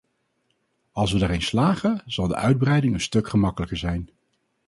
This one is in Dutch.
Als we daarin slagen zal de uitbreiding een stuk gemakkelijker zijn.